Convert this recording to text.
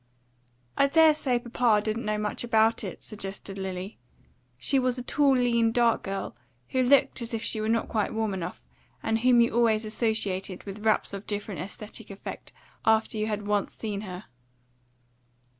"I dare say papa didn't know much about it," suggested Lily. She was a tall, lean, dark girl, who looked as if she were not quite warm enough, and whom you always associated with wraps of different aesthetic effect after you had once seen her.